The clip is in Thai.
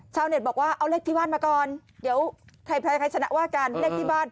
ชาวเน็ตบอกว่าเอาเลขที่บ้านมาก่อนเดี๋ยวใครชนะว่ากัน